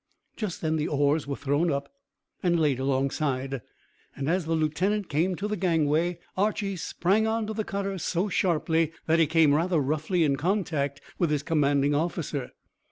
Just then the oars were thrown up and laid alongside, and, as the lieutenant came to the gangway, Archy sprang on to the cutter so sharply that he came rather roughly in contact with his commanding officer.